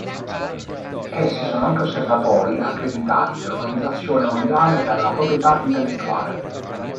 Essi sono anche osservatori accreditati dell'Organizzazione Mondiale per la Proprietà Intellettuale.